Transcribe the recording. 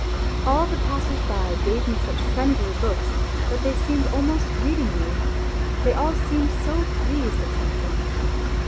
All the passers by gave me such friendly looks that they seemed almost greeting me, they all seemed so pleased at some thing.